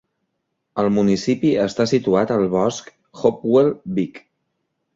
El municipi està situat el bosc Hopewell Big.